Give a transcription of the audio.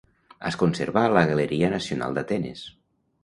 Es conserva a la Galeria Nacional d'Atenes.